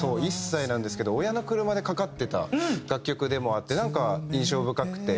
１歳なんですけど親の車でかかってた楽曲でもあってなんか印象深くて。